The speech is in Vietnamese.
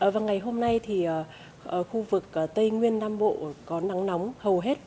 và ngày hôm nay thì khu vực tây nguyên nam bộ có nắng nóng hầu hết